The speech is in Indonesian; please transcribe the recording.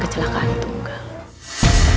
kecelakaan mama retno bukan kecelakaan tunggal